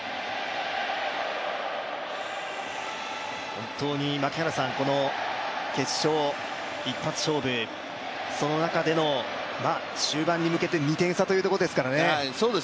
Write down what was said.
本当にこの決勝、一発勝負、その中での終盤に向けて２点差というところですからね。